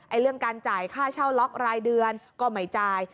เรื่องการจ่ายค่าเช่าล็อกรายเดือนก็ไม่จ่าย